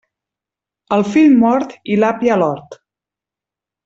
El fill mort i l'api a l'hort.